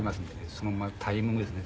そのタイミングですね。